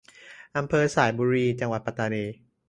อำเภอสายบุรี จังหวัดปัตตานี